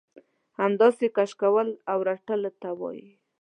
همداسې کش کولو او رټلو ته وايي.